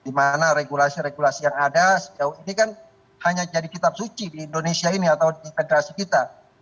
di mana regulasi regulasi yang ada sejauh ini kan hanya jadi kitab suci di indonesia ini atau di federasi kita